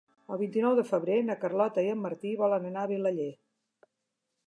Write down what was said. El vint-i-nou de febrer na Carlota i en Martí volen anar a Vilaller.